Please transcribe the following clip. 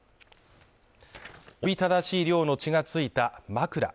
おびただしい量の血が付いた枕。